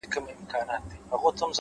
څه یې مسجد دی څه یې آذان دی؛